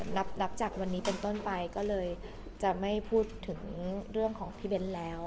นับจากวันนี้เป็นต้นไปก็เลยจะไม่พูดถึงเรื่องของพี่เบ้นแล้ว